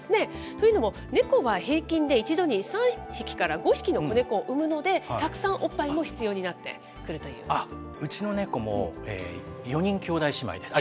というのも、ネコは平均で一度に３匹から５匹の子ネコを産むので、たくさんおっぱいも必要になってうちのネコも、４人兄弟姉妹です。